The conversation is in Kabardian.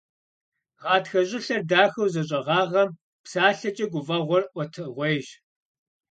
Гъатхэ щӀылъэр дахэу зэщӀэгъагъэм, псалъэкӀэ гуфӀэгъуэр Ӏуэтэгъуейщ.